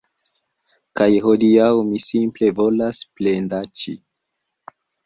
Kaj hodiaŭ mi simple volas plendaĉi